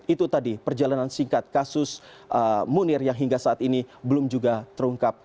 itu tadi perjalanan singkat kasus munir yang hingga saat ini belum juga terungkap